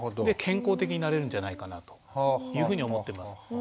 で健康的になれるんじゃないかなというふうに思っています。